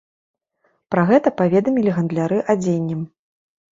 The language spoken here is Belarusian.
Пра гэта паведамілі гандляры адзеннем.